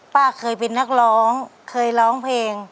เคยเป็นนักร้องเคยร้องเพลง